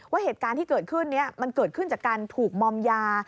เหตุการณ์ที่เกิดขึ้นนี้มันเกิดขึ้นจากการถูกมอมยา